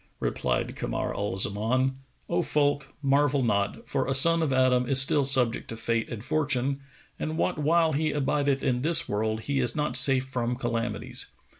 Replied Kamar al Zaman, "O folk, marvel not, for a son of Adam is still subject to Fate and Fortune, and what while he abideth in this world, he is not safe from calamities.